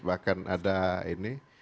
bahkan ada ini